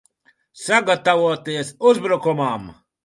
Sagatavoties uzbrukumam!